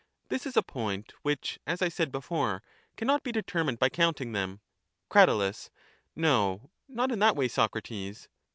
This is a point which, as I said before, cannot be determined by counting them. Crat. No ; not in that way, Socrates.